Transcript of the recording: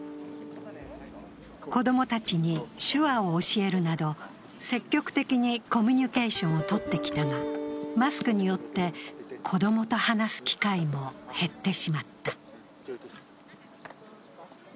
子供たちに手話を教えるなど、積極的にコミュニケーションをとってきたが、マスクによって子供と話す機会も減ってしまった。